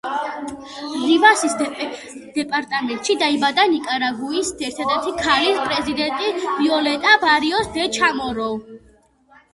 რივასის დეპარტამენტში დაიბადა ნიკარაგუის ერთადერთი ქალი პრეზიდენტი ვიოლეტა ბარიოს დე ჩამორო.